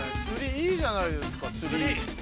いいじゃないですか「つり」。